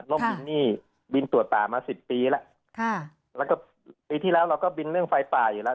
บินนี่บินตรวจป่ามาสิบปีแล้วค่ะแล้วก็ปีที่แล้วเราก็บินเรื่องไฟป่าอยู่แล้ว